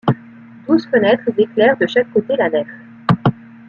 Douze fenêtres éclairent de chaque côté la nef.